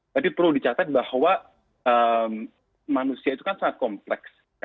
tapi perlu dicatat bahwa manusia itu kan sangat kompleks